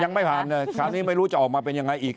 ยังไม่ผ่านเลยคราวนี้ไม่รู้จะออกมาเป็นยังไงอีก